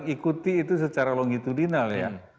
ikuti itu secara longgitudinal ya